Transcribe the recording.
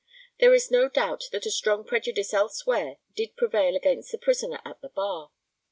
There is no doubt that a strong prejudice elsewhere did prevail against the prisoner at the bar.